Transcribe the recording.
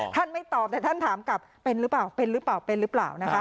ท่านไม่ตอบแต่ท่านถามกับเป็นหรือเปล่าเป็นหรือเปล่า